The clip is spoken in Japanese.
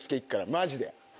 マジで。